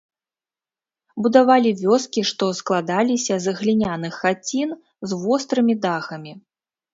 Будавалі вёскі, што складаліся з гліняных хацін з вострымі дахамі.